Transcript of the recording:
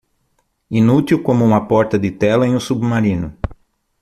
Inútil como uma porta de tela em um submarino.